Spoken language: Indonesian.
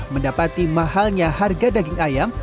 mendapati mahalnya harga daging ayam